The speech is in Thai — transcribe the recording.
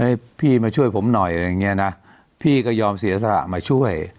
ให้พี่มาช่วยผมหน่อยอะไรอย่างเงี้ยนะพี่ก็ยอมเสียสละมาช่วย